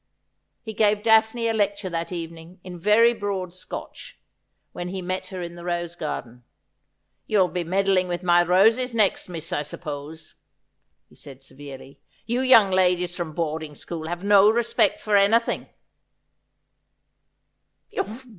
He gave Daphne a lecture that evening, in very broad Scotch, when he met her in the rose garden. ' You'll be meddling with my roses next, miss, I suppose,' he said severely. ' You young ladies from boarding school have no respect for anything.'